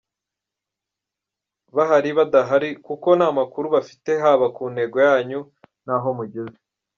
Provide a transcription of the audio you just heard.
Bahari badahari kuko nta makuru bafite haba ku ntego yanyu n’aho mugeze.